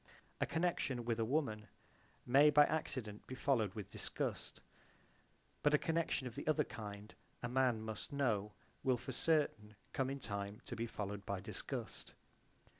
A connection with a woman may by accident be followed with disgust, but a connection of the other kind, a man must know, will for certain come in time to be followed by disgust.